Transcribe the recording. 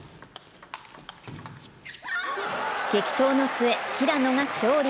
激闘の末、平野が勝利。